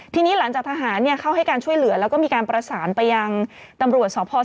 ทีนี้หลังจากทหารเข้าให้การช่วยเหลือแล้วก็มีการประสานไปยังตำรวจสพ